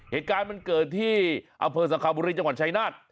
เหตุการณ์มันเกิดที่อำเภอสังคาบุรีจังหวัดชายนาฏ